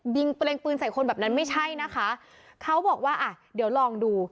เปล็งปืนใส่คนแบบนั้นไม่ใช่นะคะเขาบอกว่าอ่ะเดี๋ยวลองดู